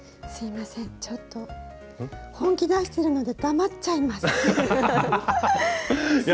すいませんちょっと本気出しているので黙っちゃいます。